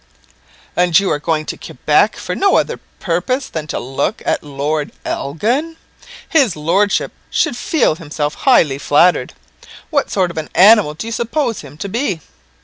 "And you are going to Quebec for no other purpose than to look at Lord Elgin? His lordship should feel himself highly flattered. What sort of an animal do you suppose him to be?"